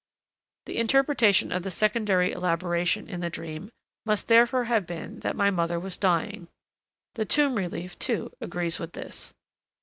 The interpretation of the secondary elaboration in the dream must therefore have been that my mother was dying; the tomb relief, too, agrees with this.